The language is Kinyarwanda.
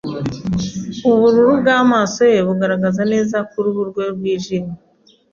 Ubururu bw'amaso ye bugaragara neza kuruhu rwe rwijimye.